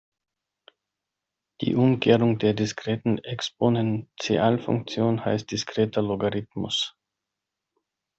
Die Umkehrung der diskreten Exponentialfunktion heißt diskreter Logarithmus.